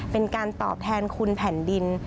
เป็นการตอบแทนคุณแผ่นดิน